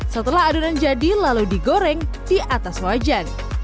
setelah adonan jadi lalu digoreng di atas wajan